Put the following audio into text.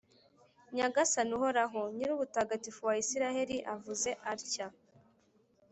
Nyagasani Uhoraho, Nyirubutagatifu wa Israheli avuze atya :